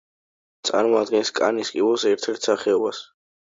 წარმოადგენს კანის კიბოს ერთ-ერთ სახეობას.